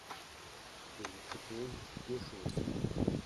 Je vous propose deux choses.